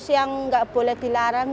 yang tidak boleh dilarang